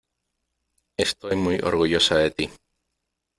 estoy muy orgullosa de ti .